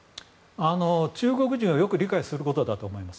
中国人をよく理解することだと思います。